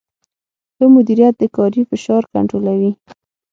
ښه مدیریت د کاري فشار کنټرولوي.